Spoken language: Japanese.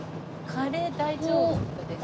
カレー大丈夫ですか？